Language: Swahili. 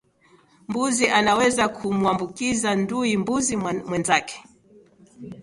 Mbuzi anaweza kumuambukiza ndui mbuzi mwenzake